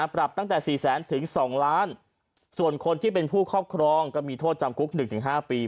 ปรับตั้งแต่๔แสนถึง๒ล้านส่วนคนที่เป็นผู้ครอบครองก็มีโทษจำคุก๑๕ปี